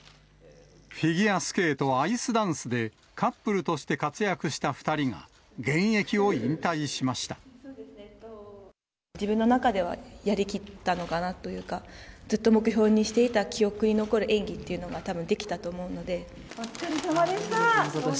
フィギュアスケートアイスダンスで、カップルとして活躍した自分の中ではやりきったのかなというか、ずっと目標にしていた、記憶に残る演技っていうのがたぶんできたお疲れさまでした。